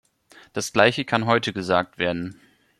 Das Gleiche kann heute gesagt werden.